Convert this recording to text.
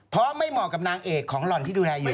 เพราะไม่เหมาะกับนางเอกของหล่อนที่ดูแลอยู่